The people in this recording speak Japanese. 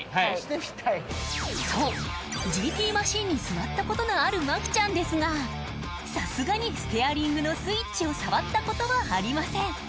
そうＧＴマシンに座ったことのある麻希ちゃんですがさすがにステアリングのスイッチを触ったことはありません。